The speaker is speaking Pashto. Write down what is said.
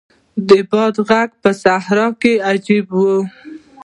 د باد ږغ په صحرا کې عجیب وي.